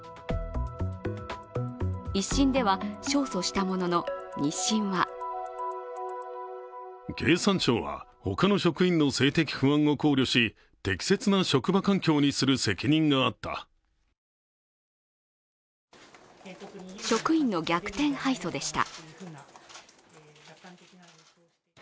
１審では勝訴したものの、２審は職員の逆転敗訴でした。